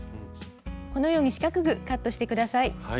このように四角くカットして下さい。